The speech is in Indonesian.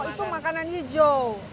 oh itu makanan hijau